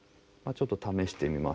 ちょっと試してみますと。